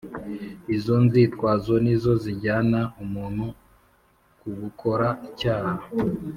izo nzitwazo ni zo zijyana umuntu ku gukora icyaha